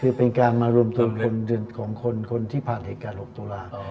คือเป็นการมารวมตัวคนของคนที่ผ่านเหตุการณ์๖ตุลา